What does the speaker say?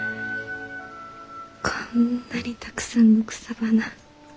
こんなにたくさんの草花。